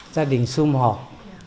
gia đình xung họp